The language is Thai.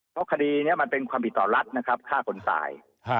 เพราะคดีนี้มันเป็นความผิดต่อรัฐนะครับฆ่าคนตาย